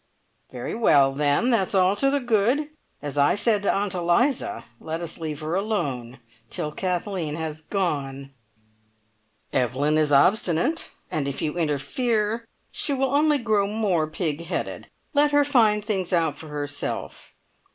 "Very well then, that's all to the good. As I said to Aunt Eliza, let us leave her alone till Kathleen has gone. Evelyn is obstinate, and if you interfere she will only grow more pig headed. Let her find things out for herself.